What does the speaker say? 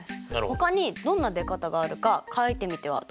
ほかにどんな出方があるか書いてみてはどうでしょうか。